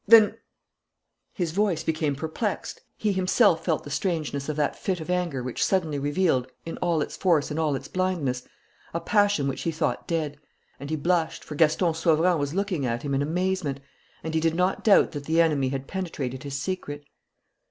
Then " His voice became perplexed. He himself felt the strangeness of that fit of anger which suddenly revealed, in all its force and all its blindness, a passion which he thought dead. And he blushed, for Gaston Sauverand was looking at him in amazement; and he did not doubt that the enemy had penetrated his secret.